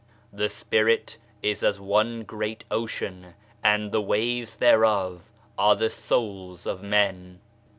The Spirit is as one great ocean and the waves thereof are the souls of men.